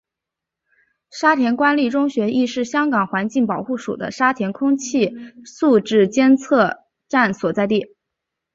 沙田官立中学亦是香港环境保护署的沙田空气质素监测站所在地。